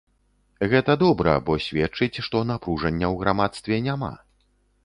Гэта добра, бо сведчыць, што напружання ў грамадстве няма.